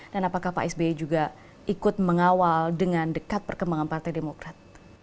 dan apakah pak sby juga ikut mengawal dengan dekat perkembangan partai demokrat